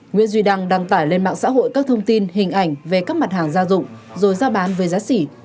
nguyễn duy đăng đăng tải lên mạng xã hội các thông tin hình ảnh về các mặt hàng gia dụng rồi giao bán với giá xỉ